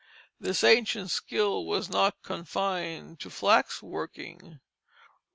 This ancient skill was not confined to flax working.